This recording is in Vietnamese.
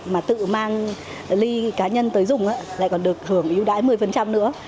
mà tự mang ly cá nhân tới dùng lại còn được hưởng ưu đãi một mươi nữa